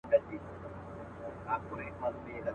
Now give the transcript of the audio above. نن به یې لوی ښاخونه.